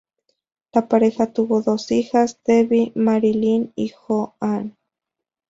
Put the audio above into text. La pareja tuvo dos hijas, Devi Marilyn y Jo Ann.